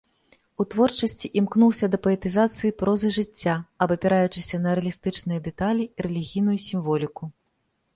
У творчасці імкнуўся да паэтызацыі прозы жыцця, абапіраючыся на рэалістычныя дэталі і рэлігійную сімволіку.